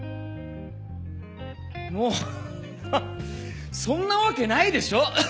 もうそんなわけないでしょ！